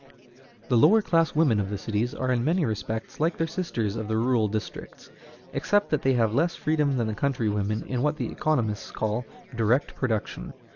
The lower class women of the cities are in many respects like their sisters of the rural districts, except that they have less freedom than the country women in what the economists call "direct production."